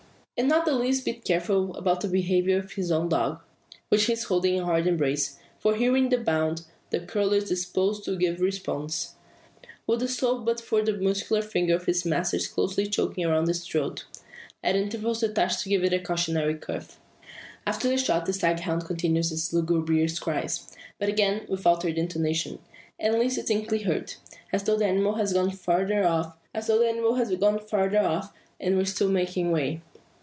And not the less to be careful about the behaviour of his own dog, which he is holding in hard embrace. For hearing the bound, the cur is disposed to give response; would do so but for the muscular fingers of its master closed chokingly around its throat, at intervals detached to give it a cautionary cuff. After the shot the stag hound continues its lugubrious cries; but again with altered intonation, and less distinctly heard; as though the animal had gone farther off, and were still making away.